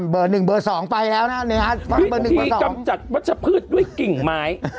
เบอร์หนึ่งเบอร์สองไปแล้วนะครับพิธีกำจัดวัชพืชด้วยกิ่งไม้